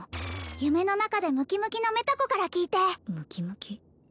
夢の中でムキムキのメタ子から聞いてムキムキ？